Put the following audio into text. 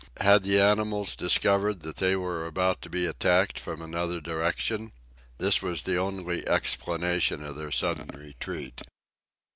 Had the animals discovered that they were about to be attacked from another direction? This was the only explanation of their sudden retreat.